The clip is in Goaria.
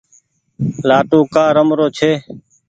لآٽون ڪآ رمرو ڇي۔